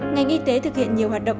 ngành y tế thực hiện nhiều hoạt động